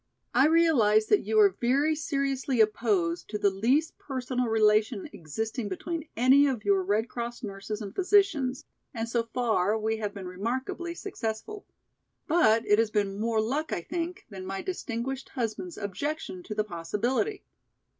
"I realize that you are very seriously opposed to the least personal relation existing between any of your Red Cross nurses and physicians and so far we have been remarkably successful. But it has been more luck I think than my distinguished husband's objection to the possibility.